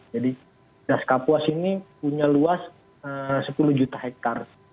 jadi das kapuas ini punya luas sepuluh juta hektar